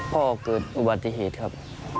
เกิดอุบัติเหตุครับ